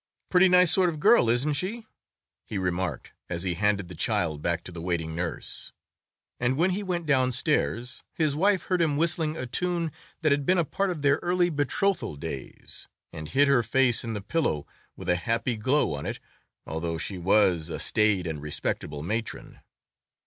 "Pretty nice sort of a girl, isn't she?" he remarked as he handed the child back to the waiting nurse, and when he went downstairs his wife heard him whistling a tune that had been a part of their early betrothal days, and hid her face in the pillow with a happy glow on it, although she was a staid and respectable matron.